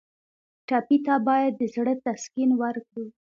ټپي ته باید د زړه تسکین ورکړو.